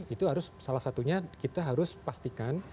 itu harus salah satunya kita harus pastikan